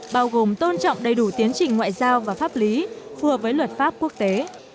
bao gồm tôn trọng đầy đủ tiến trình ngoại giao và pháp lý phù hợp với luật pháp quốc tế